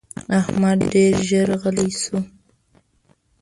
احمد ډېر ژر غلی شو.